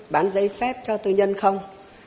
bán giấy phép cho tư nhân không